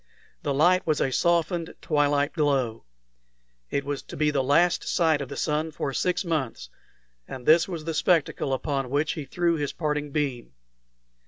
The light was a softened twilight glow. It was to be the last sight of the sun for six months, and this was the spectacle upon which he threw his parting beam.